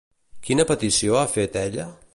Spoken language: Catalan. Quina petició ha fet ella?